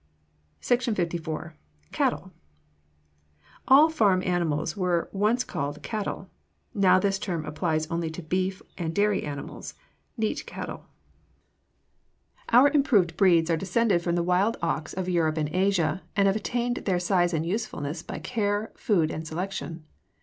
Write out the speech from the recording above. SECTION LIV. CATTLE All farm animals were once called cattle; now this term applies only to beef and dairy animals neat cattle. Our improved breeds are descended from the wild ox of Europe and Asia, and have attained their size and usefulness by care, food, and selection.